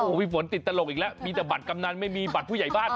มีฝนติดตลกอีกแล้วมีแต่บัตรกำนันไม่มีบัตรผู้ใหญ่บ้าน